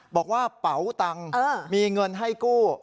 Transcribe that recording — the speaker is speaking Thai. กระเป๋าตังค์มีเงินให้กู้